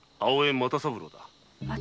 又三郎が？